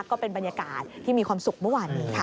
ก็เป็นบรรยากาศที่มีความสุขเมื่อวานนี้ค่ะ